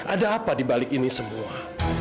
ada apa di balik ini semua